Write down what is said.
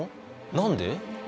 何で？